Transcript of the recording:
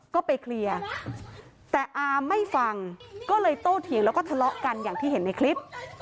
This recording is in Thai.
ก็ไปเคลียร์แต่อาไม่ฟังก็เลยโตเถียงแล้วก็ทะเลาะกันอย่างที่เห็นในคลิป